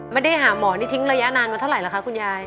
ไม่ได้หาหมอนี่ทิ้งระยะนานมาเท่าไหรอคะคุณยาย